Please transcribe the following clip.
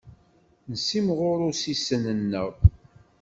Nessimɣur ussisen-nneɣ.